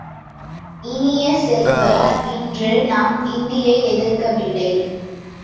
இனிய செல்வ, இன்று நாம் இந்தியை எதிர்க்கவில்லை.